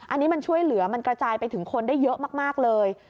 อันนี้มันช่วยเหลือมันกระจายไปถึงคนได้เยอะมากเลย